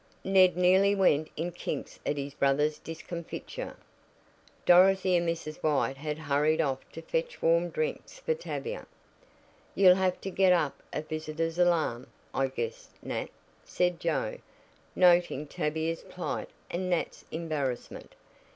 Ned nearly went in kinks at his brother's discomfiture. Dorothy and Mrs. White had hurried off to fetch warm drinks for Tavia. "You'll have to get up a 'visitor alarm,' I guess, Nat," said Joe, noting Tavia's plight and Nat's embarrassment.